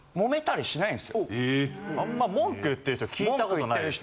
・え・あんま文句言ってる人は聞いたことないです。